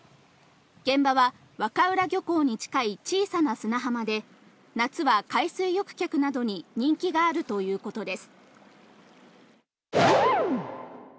現場は和歌浦漁港に近い小さな砂浜で、夏は海水浴客などに人気があるということです。